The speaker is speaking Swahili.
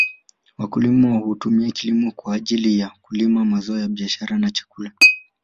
Wakulima hutumia kilimo kwa ajili ya kulima mazao ya biashara na chakula